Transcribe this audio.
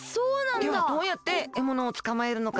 ではどうやってえものをつかまえるのか？